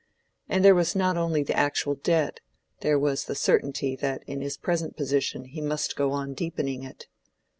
And there was not only the actual debt; there was the certainty that in his present position he must go on deepening it.